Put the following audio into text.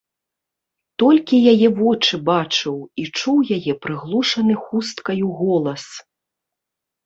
Толькі яе вочы бачыў і чуў яе прыглушаны хусткаю голас.